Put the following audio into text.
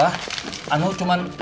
tanski ada di dalam ya